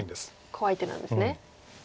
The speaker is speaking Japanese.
怖い手なんですね。